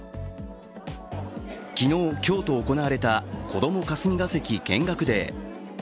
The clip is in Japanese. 昨日、今日と行われたこども霞が関見学デー。